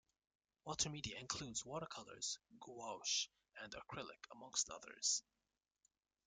Watermedia include watercolours, gouache and acrylic, amongst others.